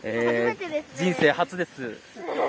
人生初です。